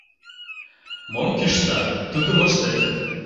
Мом кӱшта, тудым ыштет».